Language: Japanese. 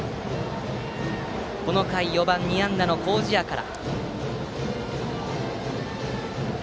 この回は４番、２安打の麹家から。